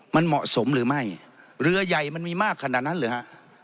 มันเหมาะสมหรือไม่เรือใหญ่มันมีมากขนาดนั้นหรือฮะ